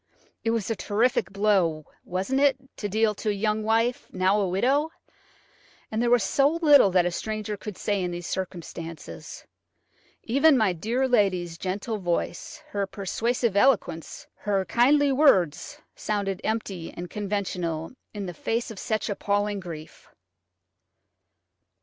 It was a terrific blow–wasn't it?–to deal to a young wife–now a widow; and there was so little that a stranger could say in these circumstances. Even my dear lady's gentle voice, her persuasive eloquence, her kindly words, sounded empty and conventional in the face of such appalling grief.